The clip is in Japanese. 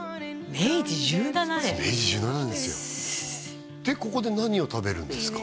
明治１７年ですよでここで何を食べるんですか？